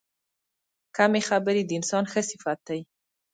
کمې خبرې، د انسان ښه صفت دی.